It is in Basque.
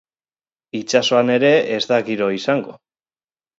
Itsasoan ere ez da giro izango.